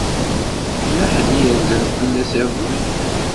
Yella ḥedd i yerzan fell-as iḍelli.